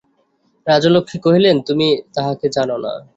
রাজলক্ষ্মী কহিলেন, তুমি তাহাকে জান না।